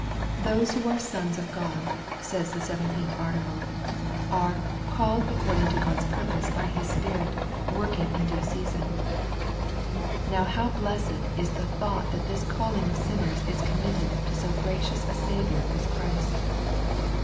Those who are sons of God, says the 17th Article, are "called according to God's purpose by His Spirit working in due season." Now how blessed is the thought that this calling of sin ners is committed to so gracious a Saviour as Christ